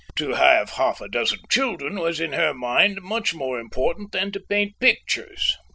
To have half a dozen children was in her mind much more important than to paint pictures.